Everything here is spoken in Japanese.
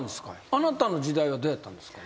あなたの時代はどうやったんですか？